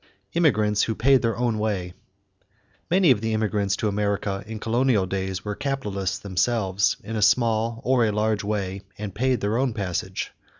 =Immigrants Who Paid Their Own Way.= Many of the immigrants to America in colonial days were capitalists themselves, in a small or a large way, and paid their own passage.